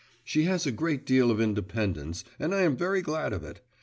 She has a great deal of independence, and I am very glad of it.